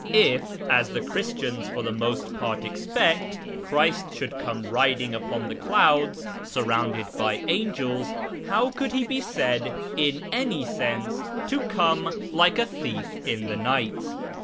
If, as the Christians for the most part expect, Christ should come riding upon the clouds sur rounded by angels, how could He be said in any sense to come ' lil'e a thief in the night